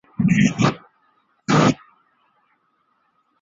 尤伯杯的成员国团队参与的国际羽毛球赛事。